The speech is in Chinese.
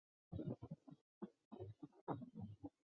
据潘石屹在微博上曾经自述大伯潘钟麟是掉进黄河。